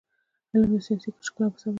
علم د ساینسي انکشاف سبب دی.